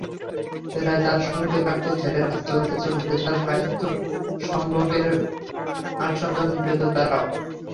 প্রায় তার সঙ্গে থাকত ছেলেরা, চলতে চলতে তাঁর সাহিত্যসম্ভোগের আস্বাদন পেত তারাও।